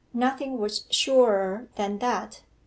Nothing was surer than that.